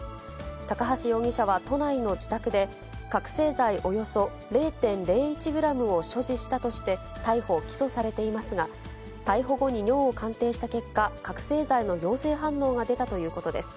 高橋容疑者は都内の自宅で、覚醒剤およそ０．０１グラムを所持したとして、逮捕・起訴されていますが、逮捕後に尿を鑑定した結果、覚醒剤の陽性反応が出たということです。